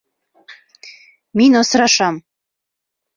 Мин осрашам.